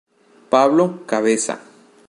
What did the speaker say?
Pablo cabeza